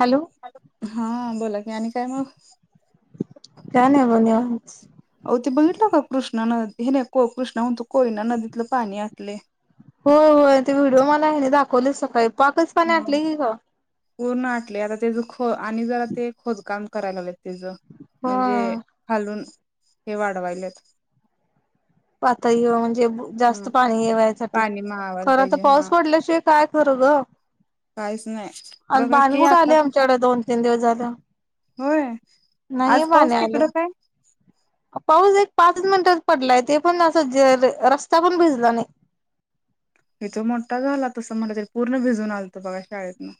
Hello ॅ हा बोला की आणि काय मग काय नाही बघ निवांत कृष्ण नदी हे नाही को कृष्ण म्हून त कोयना नदीतलं पाणी आकले हो हो ते व्हिडिओ मला दाखवले सकाळी पाकच पाण हम आटले की ग पूर्ण आटले आता त्याच ख आणि जरा ते खोदकाम करायला लाग तच म्हणजे होय खालून हे वाढवायलेत पातळी म्हणजे जास्त हम पाणी येव यासाठी पाणी मावायला खरं तर पाहिजे हा पाऊस पडल्याशिवाय काय ठरवलं. काहीच नाही आणि बघा पाणी की कुठं आता आले पण आमच्याकडे दोन तीन दिवस झाले. होय आज पाऊस तिकडं काय? पाऊस एक. पाच मिनिटात पडलाय ते पण अस रस्ता पण भिजला नाही. इथो मोठा झाला तसं म्हट तरी पूर्ण भिजून आलतो बघा शाळेतन.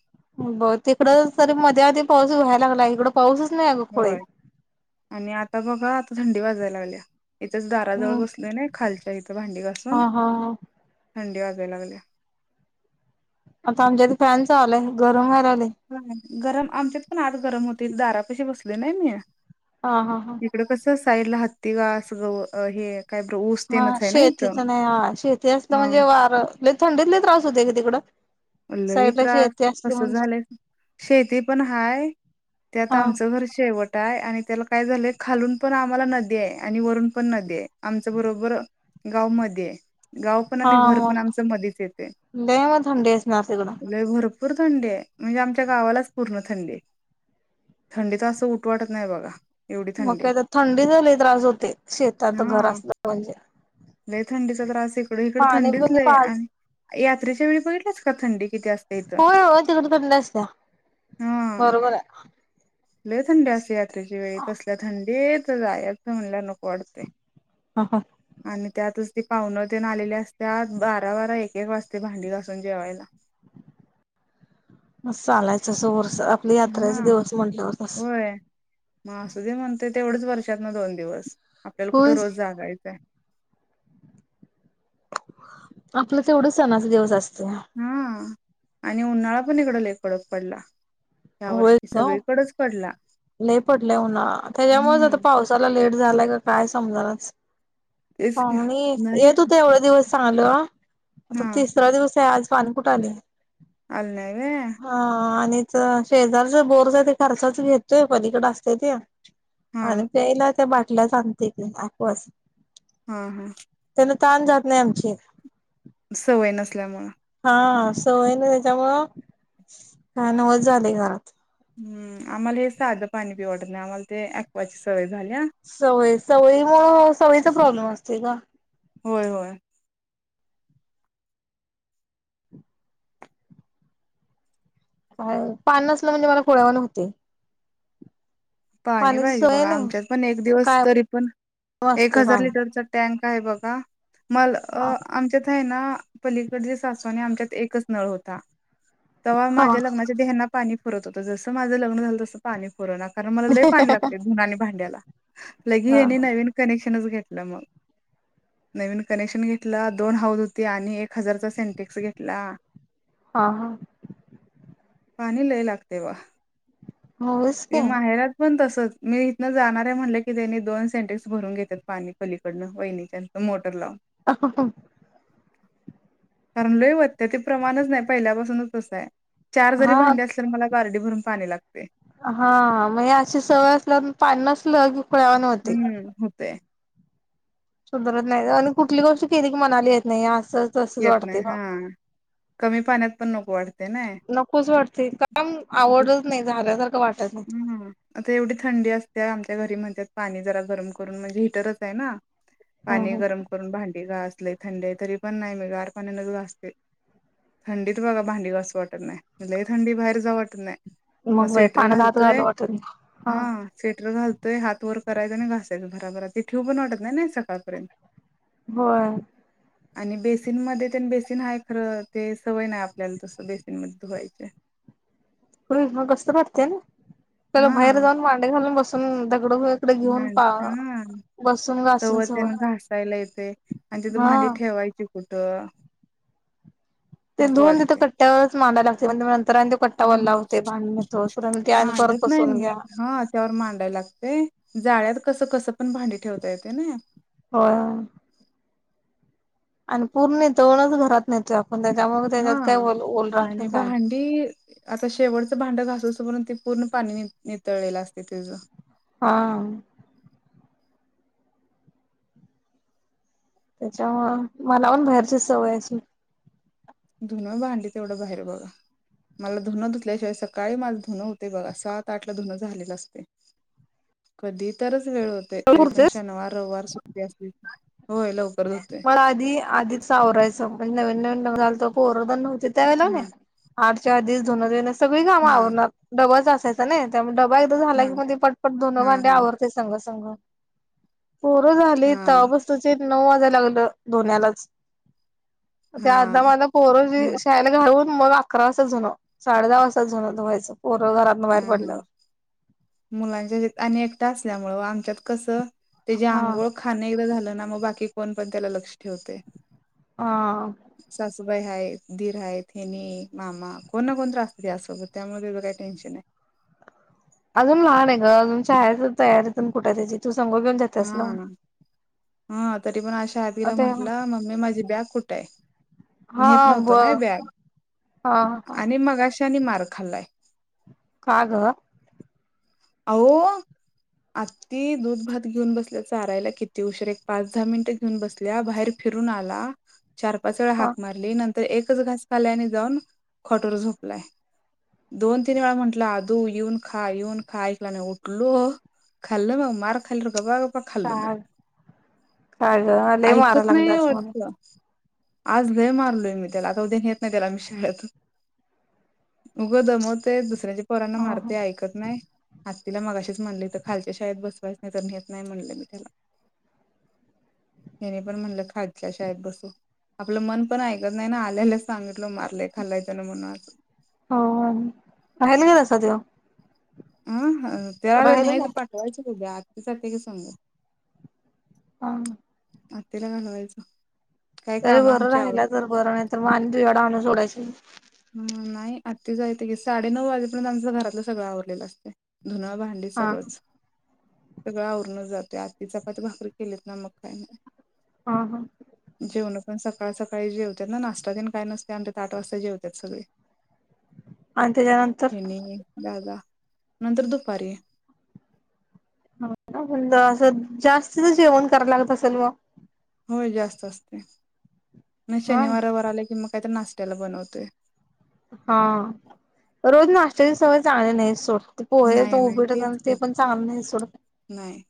ब तिकडं तरी मध्ये आधी पाऊस व्हायला लागला इकड पाऊस. होय आणि आता बघा आता थंडी वाजायला लागल्या. इथेच दाराजवळ हम्म बसले ना खालच्या इथ हा भांडीपासून. हा हा थंडी वाजाय लागल्या. आता आमच्यात फॅन चाललाय गरम व्हायला. लागलय हा गरम आमच्यात पण आत गरम होती दारा पशी बसली नाही मी. हा, हा, हा... साईड ला हत्ती घास ग हे. काय बर ऊस हा तेनच आहे ना इथं शेतीच नाही हा शेती असलं हा म्हणजे वार थंडीतले त्रास होते की तिकडं. लई साईडला त्रास शेती असली कस म्हणजे झालं शेती पण हाय. त्यात हा आमचं घर शेवट. य आणि त्याला काय झालंय खालून पण आम्हाला नदी आहे आणि वरून पण नदी आहे आमच्या बरोबर. गावमध्ये. हा मग लय वेळ थंडी. असणार तिकडं लय भरपूर थंडी म्हणजे आमच्या गावालाच पूर्ण थंडी. थंडीचा असं उठ वाटत नाही बघा. एवढी मग थंडी आहे. का तर थंडी झाले त्रास होते शेतात घर हा असलं म्हणजे लय थंडीचा त्रास इकड इकडं पाणी थंडीच बिणी पाज आणि यात्रेच्या वेळी बघितलं. होय, हो तिकड पडच त्या बरोबर आहे ल थंड अस यात्रेच्या वेळी तसल्या थंडी. तेेत जाय असं म्हणल्या नको वाटते आणि त्यातच. ती पावन तेन आलेली असतत बारा बारा एक एक वाजते भांडी घासून जेवायला. [inaudible] चालायचं अस वर् आपली हा यात्रेचा दिवस म्हटल्यावर तस. होय मग असं जे म्हणतय तेवढंच वर्षात ना दोन दिवस आपल्याला कुठे होय रोज जागायचंय. आपलं तेवढं सणाचा दिवस असत. हा आणि उन्हाळा पण इकडं ले कड पडला. ह्या होय वर्षी सगळीकडेच पडला लले पटले हो ना त्याच्यामुळे आता हम्म पावसाला लेट. झाला का काय समजनाच तेच की मी नाही येत होते एवढे दिवस. चांगलं आता हा तिसरा दिवस आहे आज पाणी कुठे आले. आले नाही. शेजारचा बोरचा ते खर्चाच घेतोय पलीकडे असते ते. हा आणि प्यायला त्या बाटल्या आणते ऐकवा च्या. हा हा तहान जात नाही आमची. सवय नसल्यामुळें. हा सवय ना त्याच्यामुळं काय करमना झालं घरात. हम् आम्हाला हे साधं पाणी पिवटत नाही आम्हाला ते ऐकवा ची सवय आहे. सवय सवय मुळासवयीचा प्रॉब्लेम असते पा. होय, होय. पाणी नसलं म्हणजे मला खुळ्या वाणी होतंय. पाणी पाहिजे बघा आमच्यात पण एक दिवस काय तरी पण एक असते हजार पाणी लिटरचा टॅंक. काय बघा मल हा आमच्यात आहे ना. पलीकड सासवा आमच्यात एकच नळ होता तेव्हा हा माझ्या लग्नाच्या आधी यांना. पाणी फरत होतं जसं माझं लग्न झालं तसं पाणी फुरवणार कारण मला लय पाणी लागते धुना आणि भांड्याला लगी हा याने नवीन कनेक्शनच घेतलं मग नवीन कनेक्शन घेतला दोन हाऊद होते आणि एक हजारचा सेंटेक्स घेतला हा हा पाणी लय लागते वा होच की ते माहेरात पण तस मी इथनं जाणार आहे म्हटले की त्यांनी दोन सेंटेक्स भरून घेतात पाणी पलीकडनं वहिणीच्या मोटर लावून अ ठमलोय होतते ते प्रमाणच नाही पहिल्यापासूनच असं आहे चार जरी हा भांडे असले तर मला गार्डी भरून पाणी लागते हा म्हणजे अशी सवय असल्या पान नसलं की खुळ्यावा न होते ते सुधरत नाही आणि कुठली गोष्ट केली की मणाली येत नाही असं तसंच येत वाटते नाही ना हा कमी पाण्यात पण नको वाटते ना नकोच वाटते काम आता आवडत नाही झाल्यासारख हम्म आता एवढी थंडी असते आ घरी म्हणतात पाणी जरा गरम करून म्हणजे हिटरच आहे ना हम्म पाणी गरम करून भांडी घ अस थंड तरी पण नाही मी गार पाणी न वा असते थंडीत बघा भांडी घास वाटत नाही म्हलाही थंडी बाहेर जाऊवटत नाही मग पाण य हा स्टर घालतोय हात व करायचं आणि घासायचं बराबर ते ठेव पण वाटत नाही नाही सकाळपर्यंत होय आणि बेसिनमध्येध्ये त्या बेसिन हाय खरं ते सवय नाही आपल्याला तस बेसिनमध्ये धुवायचे [inaudible] र मग गस्त भरते ना त्याला हा बाहेर जाऊन मांडे घालून बसून द इड इकडे घेऊन पा बसून घासून सवय तवतेन घसायला येते आणि तिथ हा. भांडी ठेवायची कुठं ते नको धोन तिथं कट्ट्यावरच मारायला लागते नंतर कट्टा वल्ला ह होते भांडण होतोस परत ते आणि परत मांडत नाही बसवून मी घ्या हा त्यावर मांडायला लागते. ळ्यात कस कस पण भांडी ठेवता येते ना हो, आणि पूर्ण जवणच घरात नय, हा आणि काय. भांडी आता शेवटचं भांड घास अस म्ह ते पूर्ण पाणी नितळलेलं असते तिच हा, त्याच्यामु मला पण बाहेरचीच सवयाची धुन भांडली तेवढं बाहेर बघा मला धुनं धुतल्याशिवाय सकाळी माझं धुनं होते बघा सात आटला धुनं झालेला असते. कधी तरच वेळ होते तरी पण पुरतेच शनिवार रविवार सुट्टी असते होय लवकर धुतोय. मला आधी आधीच सावरायचं म्हणजे नवीन नवीन झालं तर कोर नव्हत त्या वेळे हा आठच्याीस जोन सगळी काम हा आवरणार डबलच असायचं ना त्यामुळेड, एकदा झाला हा कि मग पटपट दोन हा भांडे हा आवरडते संघ संघ. पोरं झाली तर हा बस तचे नऊ वाजयला लागलं धोनलाच ते आ हा माझला पोर मग शाला घाून, मग अकरा वाजत झाणं साडे दहा वाजताात झाण धुवायचं, पोरं घरातन बाहेर हम पडल्यावर. ह मुलांच्या आणि एकटा असल्यामुं आमच्यात कसं. त्याची हा आंघोळ खाणे एकदा झालं ना मग बाकी कोण पण त्याला लक्ष ठेवते हा, सुभय आहे धीर आहे हेिनी मामा कोणणा कोणत असत त्यासोबत त्यामुळे काही टेन्शन आहे. अजून लहान आहे ग अजून शाळेची तयारी पण कुठ त्याची तशी, जात्यास ना, हा हा तरी पण आशा अ आत्तीला ते म्हटलं मम्मी माझी बॅग कुठे आहे. हा नेत ब नव्हते नाय बॅग हा हा आणि मगाशानी मार खाल्लाय का ग, आवो, आत्ती दूध भात घेऊन बसल्या चारायला किती उशीर एक पाच दहा मिनिटं घेऊन बसल्या बाहेर फि फिरून आला चार पाच वेळा हाक का मारली नं तर एकच घास खाल्लाय आणि जाऊन खाॅटवर झोपलाय. दोन तीन वेळा म्हटल आदू येऊन खा येऊन ऐकला नाही उठलो खाल्ल म मरा खाल्ल गपागप मग खाल्ल मग काय ग लय मारा ऐकत नाही लागलास मला आपलं आज लय मारलोय मी त्याला आता उद्या नेत नाही त्याला शाळेत उगं दमवतोय दुसऱ्यांच्या पोरांना मारतोय ह ऐकत नाही. आत्तीला मघाशीच म्हणले तर खालच्या शाळेत बसवायच नाही तर न्हेत नाही म्हणलं मी त्याला त्याने पण म्हणलं खालच्या शाळेत बसव आपलं मन पण ऐकत नाही ना आल्यालाच सांगितलं मारलंय खाल्लाय तेनं म्हणूनं आज. ह बाहेर लई असतोय त्यो हं त्याला राहिल नाही काय तर पाठवायचे त्याची आत्ती सांगत्या समजावून. हा, आत्तीला घालवायचं, काय तरी काम बरं आमची आवर राहिला तर बरं नाही तर मग आणि तुझ्याकडं आणून सोडायचं ह नाही आत्त्या जाईदे की साडेनऊ वाजेपर्यंत आमचं घरातलं सगळं आवरलेलं असतय. धुन भांडी हा सगळंच सगळं आवरण जाते आत्ती चपाती भाकरी केलीत ना मग काय नाही. हा हा, जेवण पण सकाळ सकाळी जेवतात ना नाश्ता तेन काय नसतय आमच्यात आठ वाजता जेवतात सगळे आणि त्याच्यानंतर हेनी दादा नंतर दुपारी मग लागलीच जास्तीच जेवण करावं लागत असेल व होय जास्त असतय म हा शनिवार रविवार आला की मग काहीतरी नाश्त्याला बनवतोय हा रोज नाश्त्याची सवय चांगली नाही सोट ते पोहे ते नाही नाही उपीट तेच ते की पण चांगलं नाही सोड नाही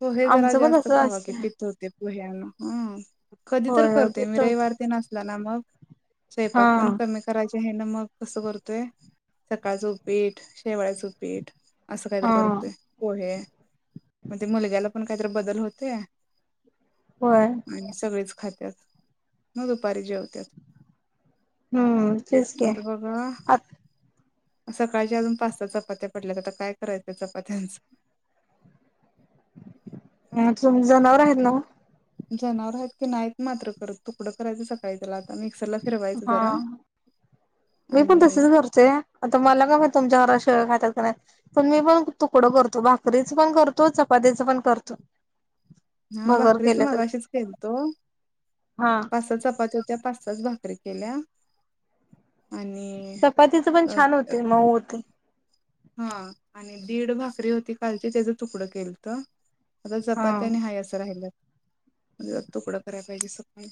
पोहे जरा आमचं पण जास्त तसं खावा असत की पित्त होतय पोह्यान हम कधी तर होय होय करतोय मी पित्त होत रविवार तेन असला ना मग हा स्वयंपाक पण कमी करायचे हे ना मग कसं करतोय सकाळचं उपीठ शेवळ्याचं उपीठ असं काहीतरी हा करतोय पोहे म्ह ते मुलग्याला पण काहीतरी बदल होतोय होय आणि सगळीच खात्यात मग दुपारी जेवत्यात हम्म तेच की आता बघा सकाळच्या अजून पाच सहा चपात्या पडल्यात आता काय करायचं चपात्यांचं अ तुमची जनावर आहेत नवं जनावर आहेत की नाहीत मात्र करत तुकडं करायचं सकाळीच जरा हा मी पण आणि तसेच करतोय आता मला काय माहित तुमच्या हस शिळ खात्यात खरं पण मी पण तुकड करतो भाकरीच पण करतो चपातीच पण करतो हा भगर भाकरीच केल्यासारखी मगाशीच केलतो हा पाच सहा चपात्या हुत्या पास असच भाकरी केल्या आणि चपातीच पण छान होतय मऊ होतय हा आणि दीड भाकरी होती कालची त्याच तुकडं केलत आता हा चपात्याने हाय असं राहिलं. म्हणजे तुकडं करायला पाहिजे सकाळी.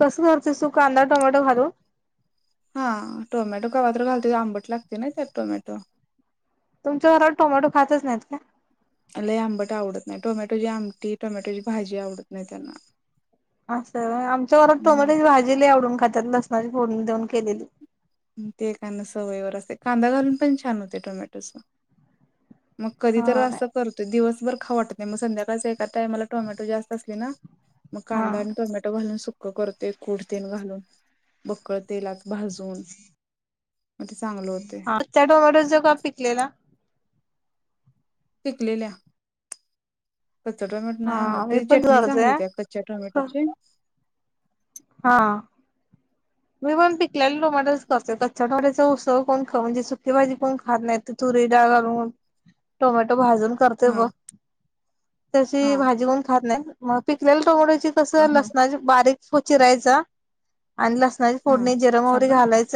कसं करतीच तू कांदा टोमॅटो घालू - हा टोमॅटो केव्हातर घालते आंबट लागते ना तर टोमॅटो - तुमच्या घरात टोमॅटो खातच नाहीत का? लय आंबट आवडत नाही. टोमॅटोची आमटी टोमॅटोची भाजी आवडत. नाही त्यांना असं आमच्या घरात हम्म टोमॅटेची भाजी लय आवडून खातात लसणाची फोडणी देऊन केलेली ते कांदा सवयीवर असते कांदा घालून पण छान होते टोमॅटोच मग कधी तर हा नाही असं करतोय दिवसभर खाऊ वाटत नाही. मग संध्याकाळच एका टाईमला टोमॅटो जास्त असले ना मग हा कांदा आणि टोमॅटो घालून सुक्क करते कुटतेल घालून बकंळ तेलात भाजून मग ते चांगलं होतय कच्चा टोमॅटोच का पिकलेला? पिकलेल्या कच्चा टोमॅटो नाही आणत हा मी त्याची पण चटणी करतोय चांगली होती कच्च्या टोमॅटोची हा. मी पण पिकलेला टोमॅटो करतोय. कच्चा टोमॅटच उसळ कोण खात नाहीत म्हणजे सुकी भाजी कोण खात नाही तु डाळ घालून टोमॅटो भाजून करतेय हा बघ हा तशी भाजी कोन खात नाही. मग पिकलेल्या टोमॅटोची कस हा लसणाची बारीक बारीक चिरायचा आणि लसणाची हा फोडणी जीरे मोहरी थांबा वगैरे घालायच.